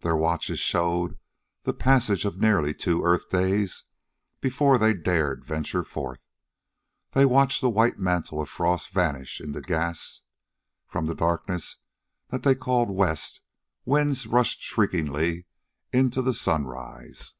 Their watches showed the passage of nearly two earth days before they dared venture forth. They watched the white mantle of frost vanish into gas. From the darkness that they called "west," winds rushed shriekingly into the sunrise.